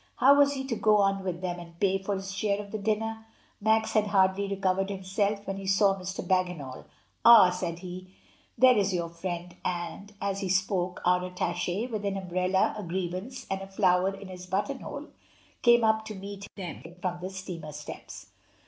How was he to go on with them and pay for his share of the dinner? Max had hardly re covered himself when he saw Mr. Bagginal. "Ah!" said he, "there is your friend!" and, as he spoke, our attache, with an umbrella, a grievance, and a flower in his button hole, came up to meet them from the steamer steps.